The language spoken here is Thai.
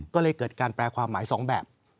ก็เลยเกิดการแปลความหมาย๒แบบ